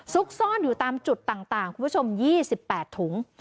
ซุกซ่อนอยู่ตามจุดต่างคุณผู้ชม๒๘ถุง